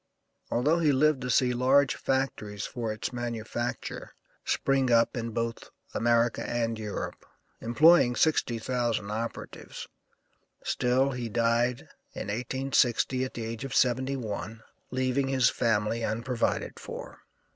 Although he lived to see large factories for its manufacture spring up in both America and Europe, employing 60,000 operatives, still he died in 1860 at the age of seventy one, leaving his family unprovided for.